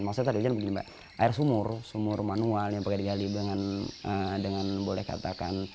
maksudnya tadi hujan begini mbak air sumur sumur manual yang pakai digali dengan boleh katakan